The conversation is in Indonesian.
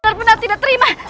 benar benar tidak terima